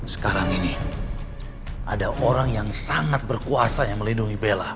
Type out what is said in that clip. sekarang ini ada orang yang sangat berkuasa yang melindungi bella